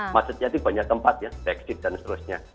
macetnya banyak tempat ya brexit dan seterusnya